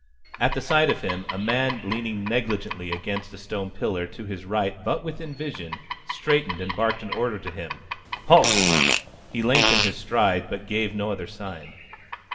At the sight of him a man leaning negligently against a stone pillar, to his right but within vision, straightened and barked an order to him, "Halt!" He lengthened his stride but gave no other sign.